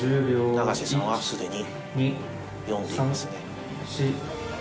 永瀬さんはすでに読んでいますね。